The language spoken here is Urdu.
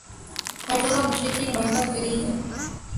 ہر جگہ مشرق کی نمائندہ کرہی ہیں